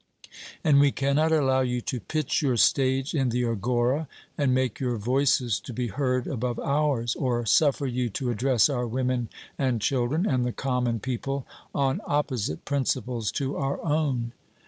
And we cannot allow you to pitch your stage in the agora, and make your voices to be heard above ours, or suffer you to address our women and children and the common people on opposite principles to our own.